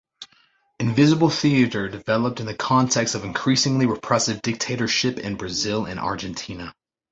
Invisible theatre developed in the context of increasingly repressive dictatorship in Brazil and Argentina.